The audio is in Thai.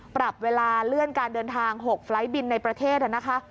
ปรับเวลาเลื่อนการเดินทาง๖ไฟล์ทบินในประเทศนะคะ